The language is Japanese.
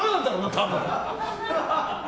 多分！